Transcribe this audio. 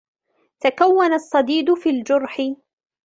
تَكَوّنَ الصديد في الجرح.